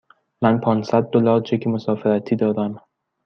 من پانصد دلار چک مسافرتی دارم.